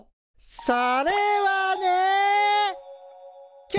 それはね。